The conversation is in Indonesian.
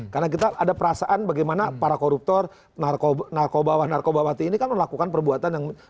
karena kita ada perasaan bagaimana para koruptor narkobat narkobat mati ini kan melakukan perbuatan yang